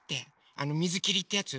あの水切りってやつ？